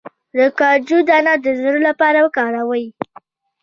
د کاجو دانه د زړه لپاره وکاروئ